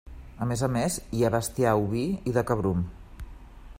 A més a més, hi ha bestiar oví i de cabrum.